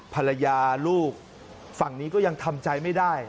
ภรรยาลูกฝั่งนี้ก็ยังทำใจไม่ได้